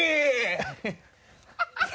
ハハハハ！